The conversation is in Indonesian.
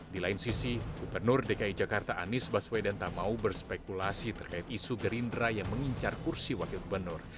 di lain sisi gubernur dki jakarta anies baswedan tak mau berspekulasi terkait isu gerindra yang mengincar kursi wakil gubernur